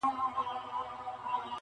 راسره جانانه ستا بلا واخلم,